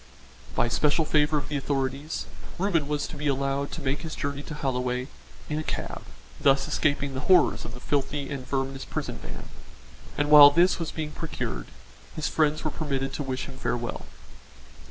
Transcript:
By special favour of the authorities, Reuben was to be allowed to make his journey to Holloway in a cab, thus escaping the horrors of the filthy and verminous prison van, and while this was being procured, his friends were permitted to wish him farewell.